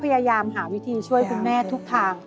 พยายามหาวิธีช่วยคุณแม่ทุกทาง